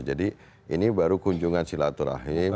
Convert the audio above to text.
jadi ini baru kunjungan silaturahim